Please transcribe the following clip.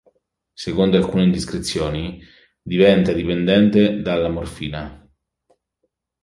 Secondo alcune indiscrezioni, diventa dipendente dalla morfina.